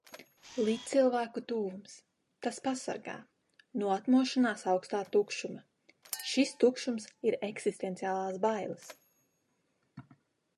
Līdzcilvēku tuvums. Tas pasargā. No atmošanās aukstā tukšumā. Šis tukšums ir eksistenciālās bailes...